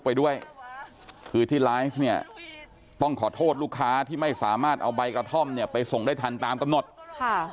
แล้วเขาไปแจ้งความไปทิ้งครั้งนี้หนักกว่าเดิมนะ